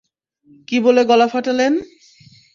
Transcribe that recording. কি বলে গলা ফাটালেন?